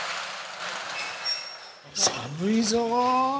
寒いぞ。